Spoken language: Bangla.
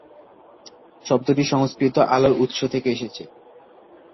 শব্দটি সংস্কৃত আলোর উত্স থেকে এসেছে।